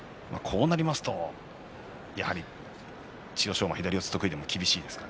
こうなるとやはり千代翔馬は左四つ得意でも難しいですか。